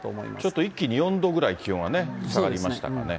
ちょっと一気に４度くらい気温がね、下がりましたかね。